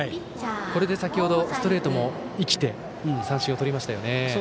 これで先程ストレートも生きて三振をとりましたよね。